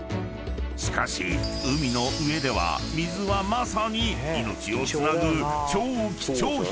［しかし海の上では水はまさに命をつなぐ超貴重品］